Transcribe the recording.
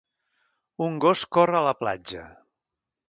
Un gos corre a la platja.